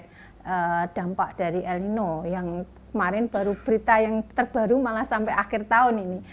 karena dampak dari el nino yang kemarin baru berita yang terbaru malah sampai akhir tahun ini